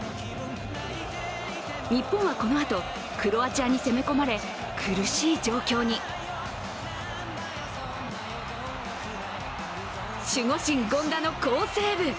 日本はこのあと、クロアチアに攻め込まれ苦しい状況に守護神・権田の好セーブ。